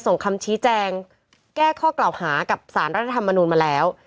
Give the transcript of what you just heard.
คำชี้แจงแก้ข้อกล่าวหากับสารรัฐธรรมนูลมาแล้ว